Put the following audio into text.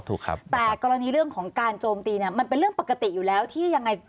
แต่กรณีเรื่องของการจมตีมันเป็นเรื่องปกติอยู่แล้วที่ยังไง